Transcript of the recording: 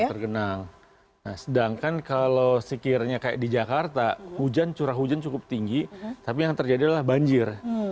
tergenang sedangkan kalau sekirnya kayak di jakarta hujan curah hujan cukup tinggi tapi yang terjadi adalah banjir